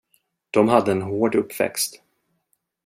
De hade en hård uppväxt.